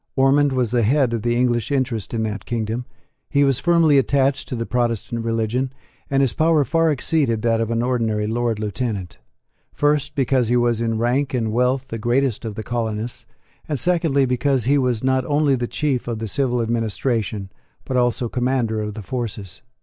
Ormond was the head of the English interest in that kingdom: he was firmly attached to the Protestant religion; and his power far exceeded that of an ordinary Lord Lieutenant, first, because he was in rank and wealth the greatest of the colonists, and, secondly, because he was not only the chief of the civil administration, but also commander of the forces.